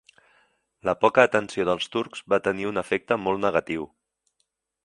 La poca atenció dels turcs va tenir un efecte molt negatiu.